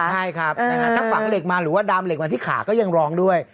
ใช่ครับถ้าฝังเหล็กมาหรือว่าดามเหล็กมาที่ขาก็ยังร้องด้วย